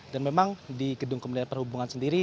dan memang di gedung kemudian perhubungan sendiri